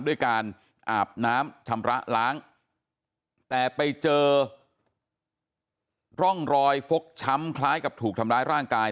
ด้วยการอาบน้ำชำระล้างแต่ไปเจอร่องรอยฟกช้ำคล้ายกับถูกทำร้ายร่างกาย